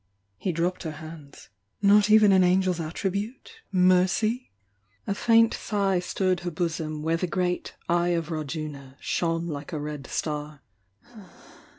He dropped her hands. "Not even an angel's attribute— mercy?" 880 THE YOUNG DIANA A faint sigh stirred her bosom where the great "Eye of Rajuna" shone like a red star.